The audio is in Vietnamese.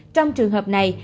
trong trường hợp này